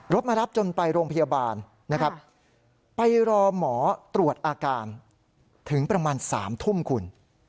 มารับจนไปโรงพยาบาลนะครับไปรอหมอตรวจอาการถึงประมาณ๓ทุ่มคุณ